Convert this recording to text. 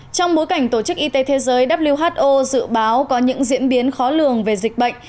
trong bối cảnh tổ chức y tế thế giới who dự báo có những diễn biến khó lường về dịch bệnh